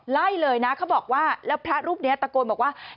ไล่เลยนะเขาบอกว่าแล้วพระรูปนี้ตะโกนบอกว่า